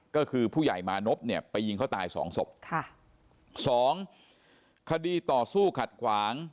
ก็คือผู้ใหญ่มานพเนี่ยไปยิงเขาตายสองศพค่ะสองคดีต่อสู้ขัดขวาง